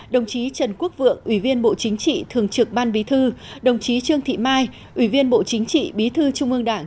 đồng chí trần quốc vượng ủy viên bộ chính trị thường trực ban bí thư đồng chí trương thị mai ủy viên bộ chính trị bí thư trung ương đảng